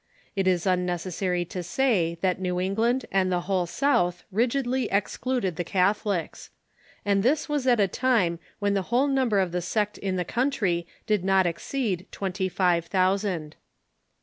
It is unnecessary to sa,y that New England and the whole South rigidly excluded the Catholics, And this was at a time when the whole number of the sect in the country did not exceed twenty five thousand.